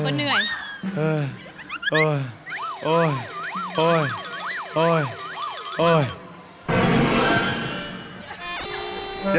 วิ่งตามก็เหนื่อย